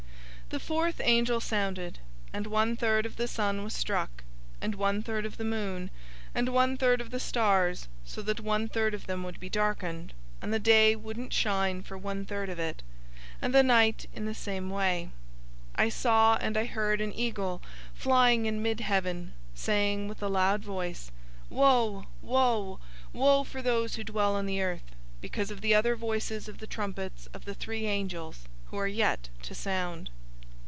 008:012 The fourth angel sounded, and one third of the sun was struck, and one third of the moon, and one third of the stars; so that one third of them would be darkened, and the day wouldn't shine for one third of it, and the night in the same way. 008:013 I saw, and I heard an eagle,{TR reads "angel" instead of "eagle"} flying in mid heaven, saying with a loud voice, "Woe! Woe! Woe for those who dwell on the earth, because of the other voices of the trumpets of the three angels, who are yet to sound!"